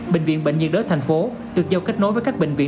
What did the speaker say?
bệnh viện bệnh nhiệt đới thành phố được giao kết nối với các bệnh viện